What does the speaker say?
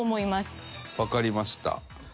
わかりました。